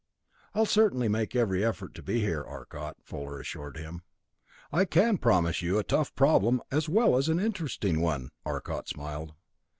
"I'll certainly make every effort to be here, Arcot," Fuller assured him. "I can promise you a tough problem as well as an interesting one." Arcot smiled.